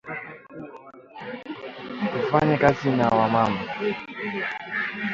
Tufanyeni Kazi na wa mama